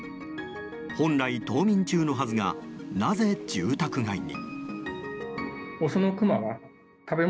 本来、冬眠中のはずがなぜ住宅街に？